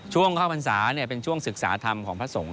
ช่วงเข้าพรรษาเป็นช่วงศึกษาธรรมของพระสงฆ์